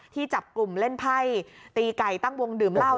ที่จับกลุ่มเล่นไพ่ตีไก่ตั้งวงดื่มเหล้า